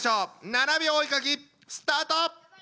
７秒お絵描きスタート！